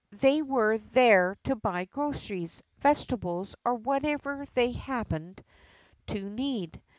They were there to buy groceries, vegetables, or whatever they happened to need.